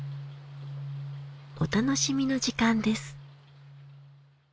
お楽しみの時間です。